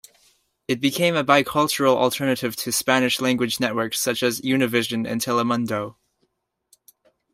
It became a bicultural alternative to Spanish-language networks such as Univision and Telemundo.